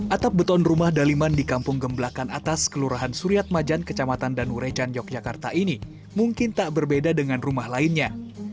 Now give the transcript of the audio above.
atap beton rumah daliman di kampung gemblakan atas kelurahan suriat majan kecamatan danurecan yogyakarta ini mungkin tak berbeda dengan rumah lainnya